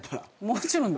もちろん。